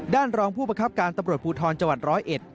ด้านรองผู้ประคับการตำรวจภูทรจร้อยเอ็ด